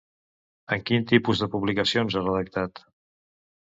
En quin tipus de publicacions ha redactat?